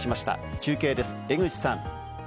中継です、江口さん。